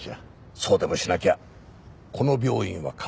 そうでもしなきゃこの病院は変わりません。